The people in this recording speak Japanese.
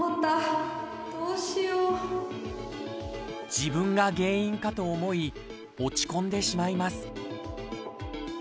自分が原因かと思い落ち込んでしまいます。